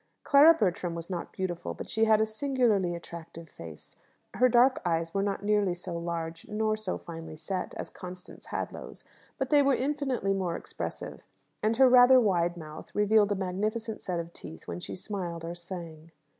Clara Bertram was not beautiful, but she had a singularly attractive face. Her dark eyes were not nearly so large, nor so finely set, as Constance Hadlow's, but they were infinitely more expressive, and her rather wide mouth revealed a magnificent set of teeth when she smiled or sang.